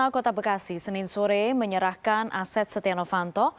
kota bekasi senin sore menyerahkan aset setia novanto